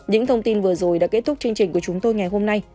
những thông tin vừa rồi đã kết thúc chương trình của chúng tôi ngày hôm nay